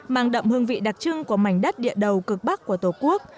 mang đậm hương vị đặc trưng của mảnh đất địa đầu cực bắc của tổ quốc